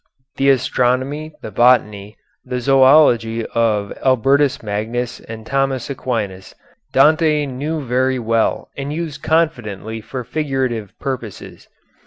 The astronomy, the botany, the zoölogy of Albertus Magnus and Thomas Aquinas, Dante knew very well and used confidently for figurative purposes.